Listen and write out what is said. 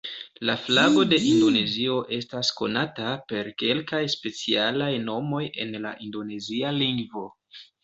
La flago de Indonezio estas konata per kelkaj specialaj nomoj en la indonezia lingvo.